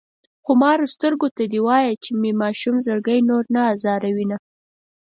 خمارو سترګو ته دې وايه چې مې ماشوم زړګی نور نه ازاروينه شي